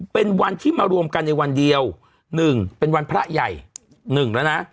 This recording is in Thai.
เป็นวันที่มารวมกันในวันเดียว๑เป็นวันพระใหญ่๑แล้วนะ